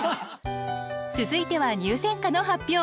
続いては入選歌の発表。